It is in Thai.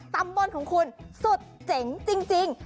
ตำบลของคุณสุดเจ๋งจริง